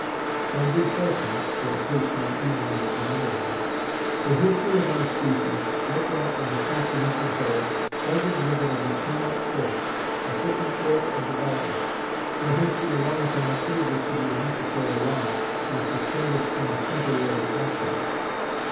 By good fortune (for the case might easily have been otherwise) the history of our species, looked at as a comprehensive whole, does exhibit a determinate course, a certain order of development: though history alone cannot prove this to be a necessary law, as distinguished from a temporary accident.